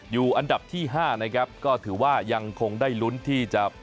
อยู่อันดับที่๕นะครับก็ถือว่ายังคงได้ลุ้นที่จะ